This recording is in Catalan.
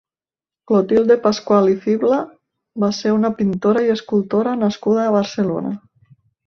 Clotilde Pascual i Fibla va ser una pintora i escultora nascuda a Barcelona.